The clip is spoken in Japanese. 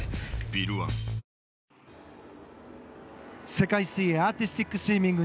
世界水泳アーティスティックスイミング